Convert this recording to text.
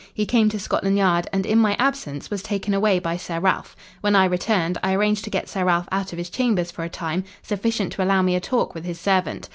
He came to Scotland Yard and, in my absence, was taken away by Sir Ralph. When I returned, I arranged to get Sir Ralph out of his chambers for a time, sufficient to allow me a talk with his servant.